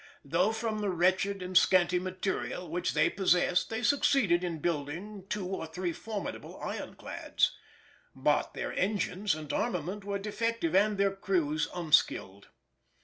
though from the wretched and scanty material which they possessed they succeeded in building two or three formidable ironclads; but their engines and armament were defective, and their crews unskilled.